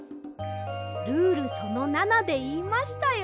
ルールその７でいいましたよ。